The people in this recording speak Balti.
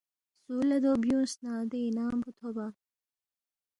سُو لہ دو بیُونگس نہ دے انعام پو تھوبا